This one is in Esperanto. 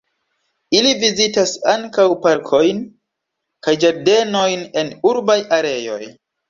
Ili vizitas ankaŭ parkojn kaj ĝardenojn en urbaj areoj.